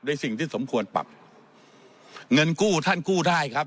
สิ่งที่สมควรปรับเงินกู้ท่านกู้ได้ครับ